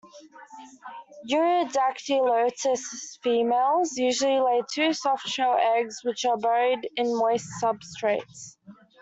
"Eurydactylodes" females usually lay two soft-shelled eggs which are buried in moist substrates.